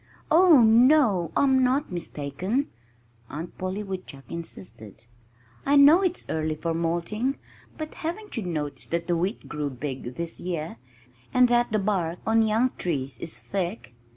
"Oh, no! I'm not mistaken," Aunt Polly Woodchuck insisted. "I know it's early for molting but haven't you noticed that the wheat grew big this year, and that the bark on young trees is thick?